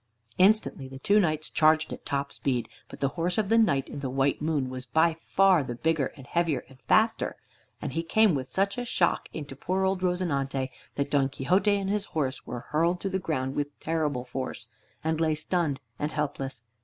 Instantly the two knights charged at top speed. But the horse of the Knight of the White Moon was by far the bigger and heavier and faster, and he came with such a shock into poor old "Rozinante" that Don Quixote and his horse were hurled to the ground with terrible force, and lay stunned and helpless.